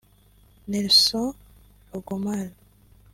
Nelson Logomale